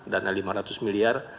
dana lima ratus miliar